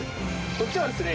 こっちはですね